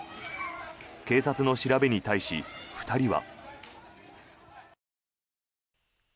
警察の調べに対し２人は。